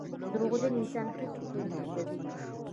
• دروغجن انسان هیڅوک نه خوښوي.